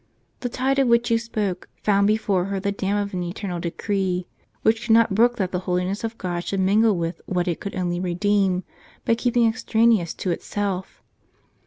The tide of which you spoke, found before her the dam of an eternal decree, which could not brook that the holiness of God should mingle with what it could only redeem, by keeping extraneous to itself.